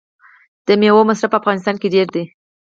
د میوو مصرف په افغانستان کې ډیر دی.